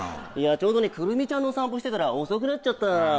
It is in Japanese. ちょうどねクルミちゃんのお散歩してたら遅くなっちゃった。